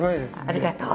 ありがとう。